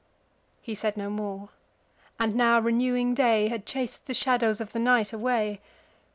He said no more. And now renewing day Had chas'd the shadows of the night away.